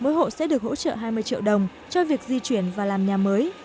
mỗi hộ sẽ được hỗ trợ hai mươi triệu đồng cho việc di chuyển và làm nhà mới